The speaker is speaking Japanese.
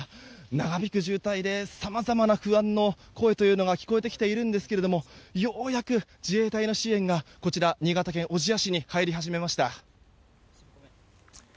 長引く渋滞でさまざまな不安の声が聞こえてきているんですがようやく自衛隊の支援がこちら、新潟県小千谷市に入り始めました。